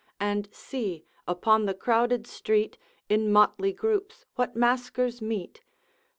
And see! upon the crowded street, In motley groups what masquers meet!